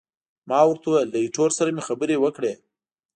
ما ورته وویل، له ایټور سره مې خبرې وکړې.